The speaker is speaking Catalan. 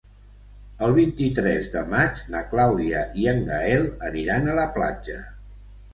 El vint-i-tres de maig na Clàudia i en Gaël aniran a la platja.